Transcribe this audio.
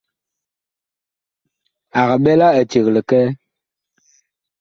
Ag ɓɛ la eceg likɛɛ.